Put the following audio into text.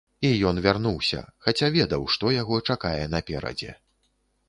І ён вярнуўся, хаця ведаў, што яго чакае наперадзе.